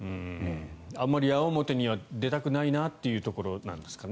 あまり矢面には出たくないという感じなんですかね。